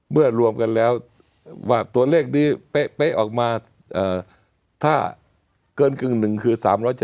รวมกันแล้วว่าตัวเลขนี้เป๊ะออกมาถ้าเกินกึ่งหนึ่งคือ๓๗